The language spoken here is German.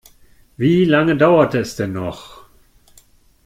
Wie lange dauert es denn noch?